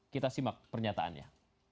kita simak pernyataannya